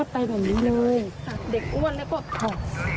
พร่อมไปแบบนี้